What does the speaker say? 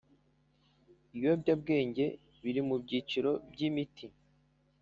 Ibiyobyabwenge biri mu byiciro by imiti